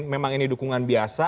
memang ini dukungan biasa